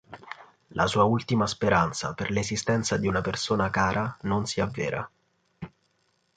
La sua ultima speranza per l'esistenza di una persona cara non si avvera.